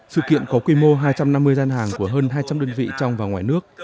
sự kiện có quy mô hai trăm năm mươi gian hàng của hơn hai trăm linh đơn vị trong và ngoài nước